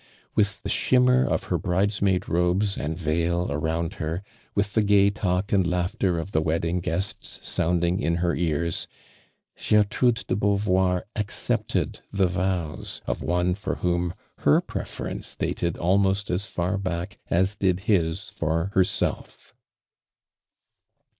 With the shimmer of her bridesmaid lobes and veil ai ound her, with the gay talk and laughter of the wedding guests Mounding in her oars, Gertrude de Beau voir accepted the vows of one for whom her preference dated almost as far back as did his for herself.